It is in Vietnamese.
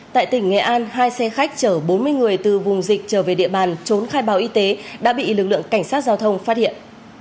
tại tỉnh nghệ an hai xe khách chở bốn mươi người từ vùng dịch trở về địa bàn trốn khai báo y tế đã bị lực lượng cảnh sát giao thông phát hiện